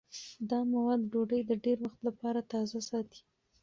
دا مواد ډوډۍ د ډېر وخت لپاره تازه ساتي.